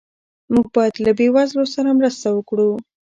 موږ باید له بې وزلو سره مرسته وکړو.